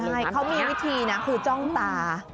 ใช่เขามีวิธีนะคือจ้องตา